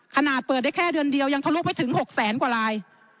ขนาดเปิดได้แค่เดือนเดียวยังทะลุไปถึง๖แสนกว่าลาย